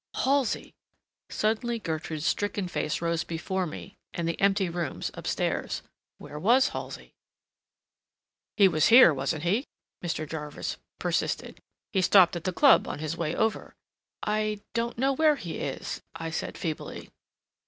"Halsey!" Suddenly Gertrude's stricken face rose before me the empty rooms up stairs. Where was Halsey? "He was here, wasn't he?" Mr. Jarvis persisted. "He stopped at the club on his way over." "I—don't know where he is," I said feebly.